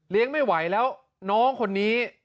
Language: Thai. เลี้ยงไม่ไหวแล้วน้องคนนี้